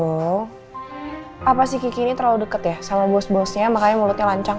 tunggu apa si kiki ini terlalu deket ya sama bos bosnya makanya mulutnya lancang